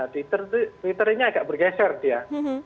twitter ini agak bergeser dia